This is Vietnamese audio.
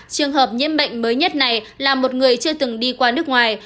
trường hợp nhiễm bệnh mới nhất này là một người chưa từng đi qua nước ngoài